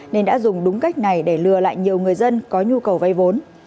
nên đã dùng đúng cách này để lừa lại nhiều người dân có nhu cầu vay vốn